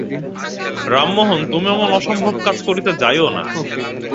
রামমােহন তুমি অমন অসম্ভব কাজ করিতে যাইও না।